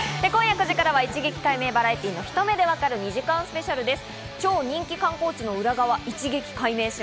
今夜９時からは『一撃解明バラエティひと目でわかる！！』２時間スペシャルです。